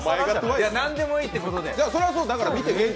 何でもいいってことで。